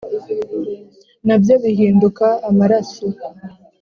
na byo bihinduka amaraso.